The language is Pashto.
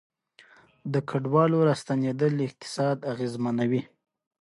د کډوالو راستنیدل اقتصاد اغیزمنوي